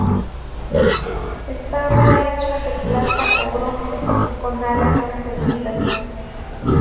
Estaba hecha de plata o bronce, con alas extendidas.